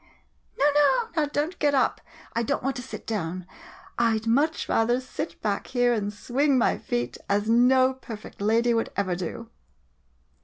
] No, no, now don't get up, I don't want to sit down — I 'd much rather sit back here and swing my feet, as no perfect lady would ever do!